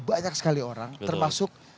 banyak sekali orang termasuk